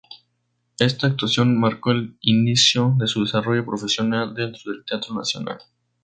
Esta actuación marcó el inicio de su desarrollo profesional dentro del teatro nacional.